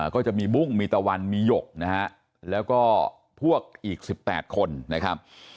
ก็จะมีบุ้งมีตะวันมีหยกนะฮะแล้วก็พวกอีก๑๘คนนะครับ